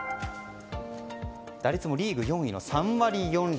打率もリーグ４位の３割４厘。